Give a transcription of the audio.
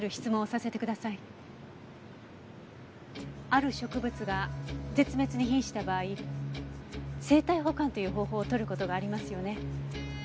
ある植物が絶滅に瀕した場合生態保管という方法をとる事がありますよね？